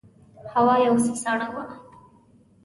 هوا یو څه سړه وه.